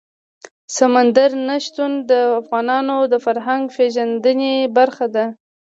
سمندر نه شتون د افغانانو د فرهنګي پیژندنې برخه ده.